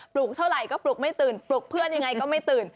ลุกเท่าไหร่ก็ปลุกไม่ตื่นปลุกเพื่อนยังไงก็ไม่ตื่น